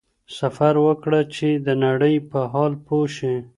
سفر وکړه چي د نړۍ په حال پوه شې.